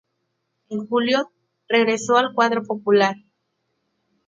En julio, regresó al cuadro popular.